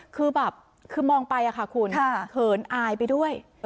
คือแบบคือมองไปค่ะคุณเขินอายไปด้วย